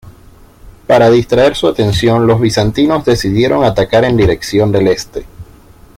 Para distraer su atención los bizantinos decidieron atacar en dirección al este.